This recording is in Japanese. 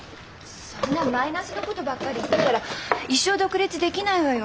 そんなマイナスのことばっかり言ってたら一生独立できないわよ。